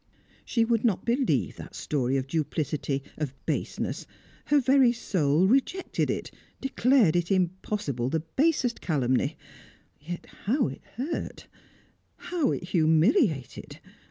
She would not believe that story of duplicity, of baseness. Her very soul rejected it, declared it impossible, the basest calumny. Yet how it hurt! How it humiliated!